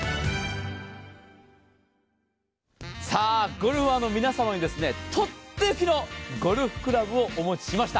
ゴルファーの皆様にとっておきのゴルフクラブをお持ちしました。